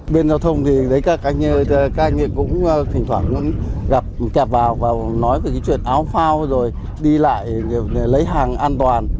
bên giao thông thì các anh em cũng thỉnh thoảng gặp kẹp vào và nói về cái chuyện áo phao rồi đi lại lấy hàng an toàn